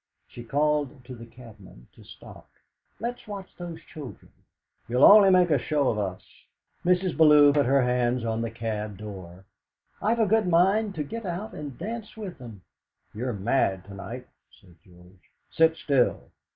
She called to the cabman to stop. "Let's watch those children!" "You'll only make a show of us." Mrs. Bellew put her hands on the cab door. "I've a good mind to get out and dance with them!" "You're mad to night," said George. "Sit still!"